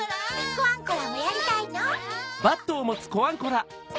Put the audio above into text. コアンコラもやりたいの？